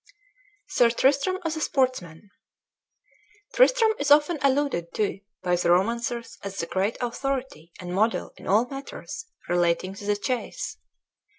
SIR TRISTRAM AS A SPORTSMAN Tristram is often alluded to by the Romancers as the great authority and model in all matters relating to the chase.